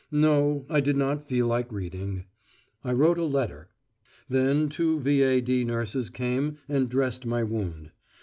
No, I did not feel like reading. I wrote a letter. Then two V.A.D. nurses came and dressed my wound.